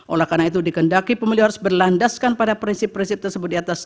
oleh karena itu dikendaki pemilih harus berlandaskan pada prinsip prinsip tersebut di atas